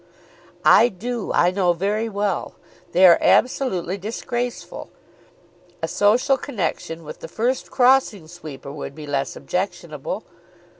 "I do. I know very well. They are absolutely disgraceful. A social connection with the first crossing sweeper would be less objectionable."